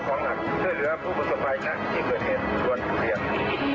ของท่านได้เสด็จเข้ามาอยู่ในความทรงจำของคน๖๗๐ล้านคนค่ะทุกท่าน